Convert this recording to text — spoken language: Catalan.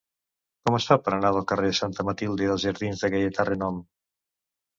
Com es fa per anar del carrer de Santa Matilde als jardins de Gaietà Renom?